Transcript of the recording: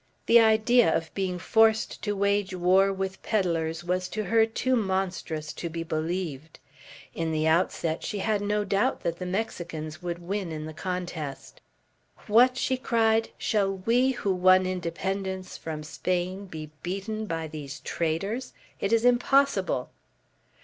The idea of being forced to wage a war with pedlers was to her too monstrous to be believed. In the outset she had no doubt that the Mexicans would win in the contest. "What!" she cried, "shall we who won independence from Spain, be beaten by these traders? It is impossible!"